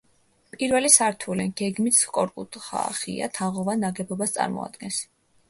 პირველი სართული, გეგმით სწორკუთხა, ღია, თაღოვან ნაგებობას წარმოადგენს.